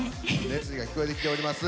熱意が聞こえてきております。